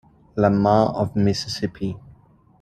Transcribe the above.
Lamar of Mississippi.